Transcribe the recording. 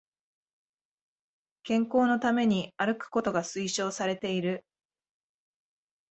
健康のために歩くことが推奨されている